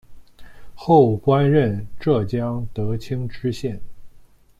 后官任浙江德清知县。